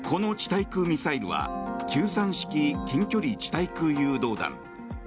対空ミサイルは９３式近距離地対空誘導弾